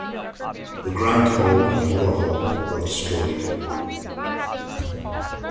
The Grand Hall and Lower Hall were destroyed.